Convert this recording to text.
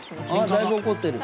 だいぶ怒ってる。